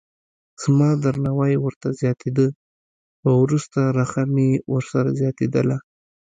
زما درناوی ورته زیاتېده خو وروسته رخه مې ورسره زیاتېدله.